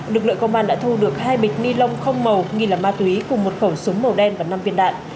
lực lượng công an đã thu được hai bịch ni lông không màu nghi là ma túy cùng một khẩu súng màu đen và năm viên đạn